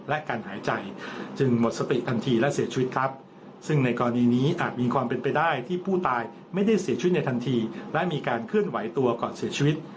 อาจจะมีการเคลื่อนไหวตัวก่อนเสียชีวิต